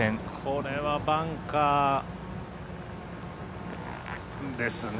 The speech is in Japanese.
これはバンカーですね。